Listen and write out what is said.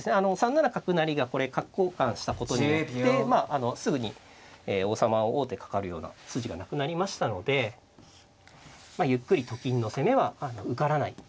３七角成がこれ角交換したことによってすぐに王様は王手かかるような筋がなくなりましたのでゆっくりと金の攻めは受からないと。